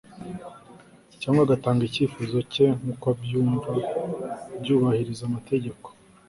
cyangwa agatanga icyifuzo cye nk'uko abyumva, byubahiriza amategeko